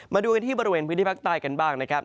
มาดูกันที่บริเวณพื้นที่ภาคใต้กันบ้างนะครับ